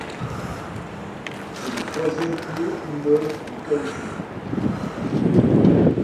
C'est le troisième plus haut immeuble de Kaohsiung.